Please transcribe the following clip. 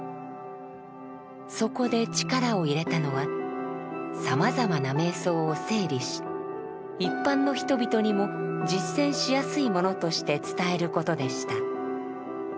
そこで力を入れたのはさまざまな瞑想を整理し一般の人々にも実践しやすいものとして伝えることでした。